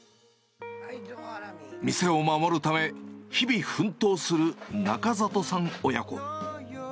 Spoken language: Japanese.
店を守るため、日々、奮闘する中里さん親子。